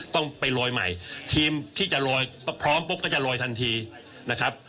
ต้องไปลอยใหม่ทีมที่จะลอยพร้อมปุ๊บก็จะลอยทันทีนะครับ